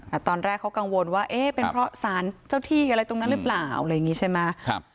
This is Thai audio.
ตอนแรกเขากังวลว่าเอ๊ะเป็นเพราะสารเจ้าที่อะไรตรงนั้นหรือเปล่าอะไรอย่างงี้ใช่ไหมครับ